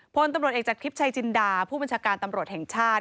พลตำรวจเอกจากทริปชัยจินดาผู้บัญชาการตำรวจแห่งชาติ